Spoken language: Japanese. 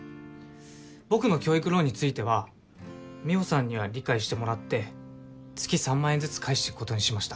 僕の教育ローンについては美帆さんには理解してもらって月３万円ずつ返していくことにしました。